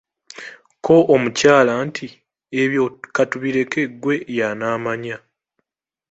Kko omukyala nti, Ebyo katubireke ggwe y’anaamanya.